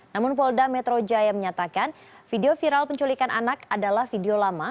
namun polda metro jaya menyatakan video viral penculikan anak adalah video lama